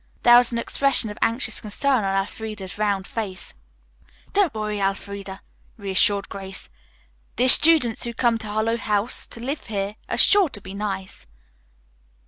There was an expression of anxious concern on Elfreda's round face. "Don't worry, Elfreda," reassured Grace, "the students who come to Harlowe House to live are sure to be nice.